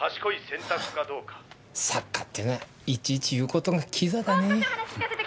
作家ってのはいちいち言う事がキザだねぇ。